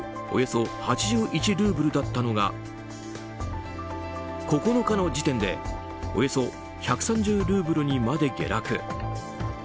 およそ８１ルーブルだったのが９日の時点でおよそ１３０ルーブルにまで下落。